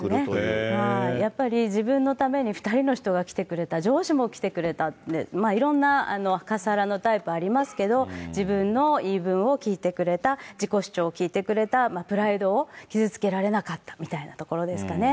そうですね、やっぱり自分のために２人の人が来てくれた、上司の人も来てくれたって、カスハラのタイプありますけれども、自分の言い分を聞いてくれた、自己主張を聞いてくれた、プライドを傷つけられなかったみたいなところですかね。